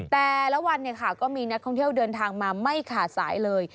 แต่ละวันก็มีนักท่องเที่ยวเดินทางมาไม่ขาดสายเลย